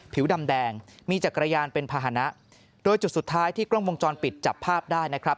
ผิวดำแดงมีจักรยานเป็นภาษณะโดยจุดสุดท้ายที่กล้องวงจรปิดจับภาพได้นะครับ